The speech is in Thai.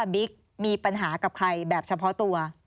บิ๊กมีปัญหากับใครแบบเฉพาะตัว